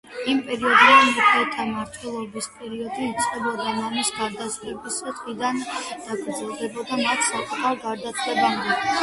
იმ პერიოდიდან მეფეთა მმართველობის პერიოდი იწყებოდა მამის გარდაცვალების დღიდან და გრძელდებოდა მათ საკუთარ გარდაცვალებამდე.